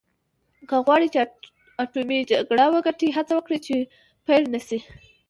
که غواړې چې اټومي جګړه وګټې هڅه وکړه چې پیل نه شي.